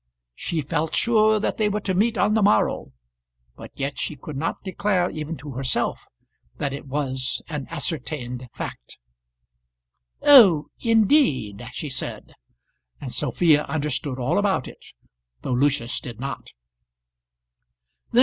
She felt sure that they were to meet on the morrow, but yet she could not declare even to herself that it was an ascertained fact. "Oh! indeed," she said; and Sophia understood all about it, though Lucius did not.